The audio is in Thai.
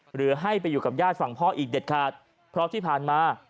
หรือให้ไปอยู่กับญาติฝั่งพ่ออีกเด็ดขาดเพราะที่ผ่านมา